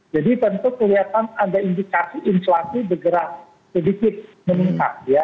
jadi tentu kelihatan ada indikasi inflasi bergerak sedikit meningkat ya